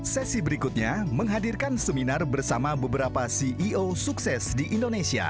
sesi berikutnya menghadirkan seminar bersama beberapa ceo sukses di indonesia